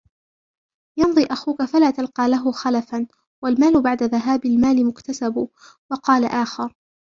يَمْضِي أَخُوك فَلَا تَلْقَى لَهُ خَلَفًا وَالْمَالُ بَعْدَ ذَهَابِ الْمَالِ مُكْتَسَبُ وَقَالَ آخَرُ